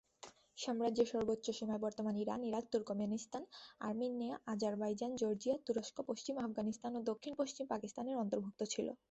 সাম্রাজ্যের সর্বোচ্চ সীমায় বর্তমান Iran, Iraq, Turkmenistan, Armenia, Azerbaijan, Georgia, তুরস্ক, পশ্চিম আফগানিস্তান ও দক্ষিণ পশ্চিম পাকিস্তান এর অন্তর্ভুক্ত ছিল।